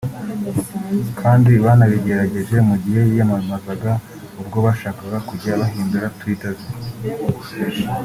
kandi banabigerageje mugihe yiyamamazaga ubwo bashakaga kujjya bahindura Tweeter ze